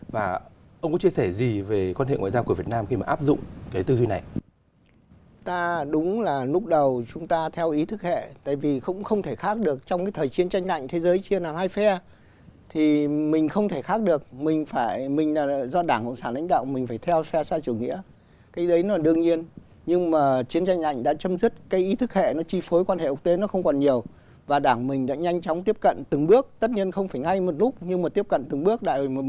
và ông có chia sẻ gì về quan hệ ngoại giao của việt nam khi mà áp dụng cái tư duy này